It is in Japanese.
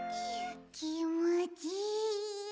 きもちいい。